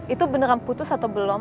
itu beneran putus atau belum